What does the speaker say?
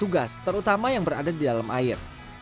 petugas terutama yang berada di dalam air